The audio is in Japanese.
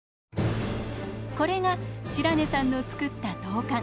これが白根さんの作った銅管。